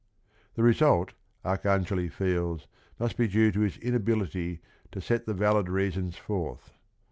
The result, Arcangeli feels, must be due to his inability "to set the valid reasons forth."